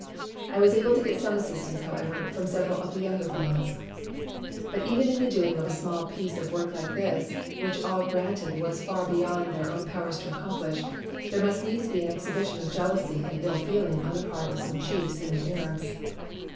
I was able to get some assistance, however, from several of the younger fellows. "But even in the doing of a small piece 184 MACKAY'S NEW NAME of work like this, which all granted was far beyond their own powers to accomplish, there must needs be an exhibition of jeal ousy and ill feeling on the part of some chiefs and Arabs.